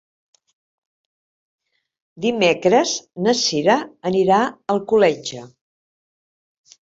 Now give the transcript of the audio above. Dimecres na Cira anirà a Alcoletge.